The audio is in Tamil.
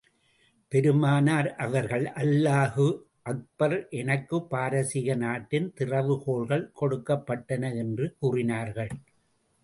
பெருமானார் அவர்கள், அல்லாஹூ அக்பர் எனக்குப் பாரசீக நாட்டின் திறவு கோல்கள் கொடுக்கப் பட்டன என்று கூறினார்கள்.